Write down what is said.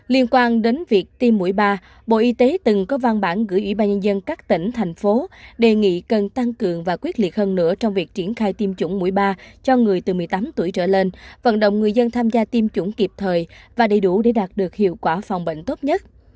liên quan đến việc tiêm mũi ba bộ y tế từng có văn bản gửi ủy ban nhân dân các tỉnh thành phố đề nghị cần tăng cường và quyết liệt hơn nữa trong việc triển khai tiêm chủng mũi ba cho người từ một mươi tám tuổi trở lên vận động người dân tham gia tiêm chủng kịp thời và đầy đủ để đạt được hiệu quả phòng bệnh tốt nhất